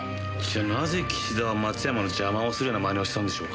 じゃあなぜ岸田は松山の邪魔をするようなまねをしたんでしょうか？